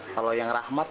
kalau yang rahmat